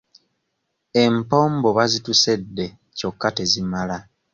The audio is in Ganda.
Empombo bazitusedde kyokka tezimala.